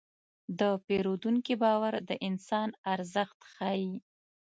د پیرودونکي باور د انسان ارزښت ښيي.